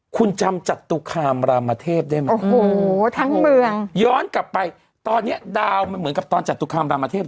คุณจำจัตุคามรามเทพได้ไหมโอ้โหทั้งเมืองย้อนกลับไปตอนเนี้ยดาวมันเหมือนกับตอนจตุคามรามเทพ